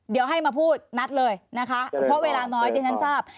เดี๋ยวให้มาพูดนัดเลยนะคะเพราะเวลาน้อยดิฉันทราบ